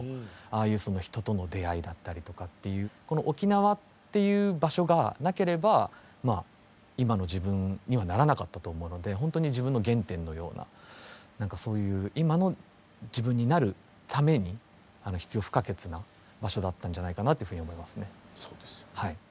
ああいう人との出会いだったりとかこの沖縄っていう場所がなければ今の自分にはならなかったと思うので本当に自分の原点のような何かそういう今の自分になるために必要不可欠な場所だったんじゃないかなというふうに思いますね。